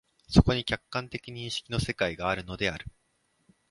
そこに客観的認識の世界があるのである。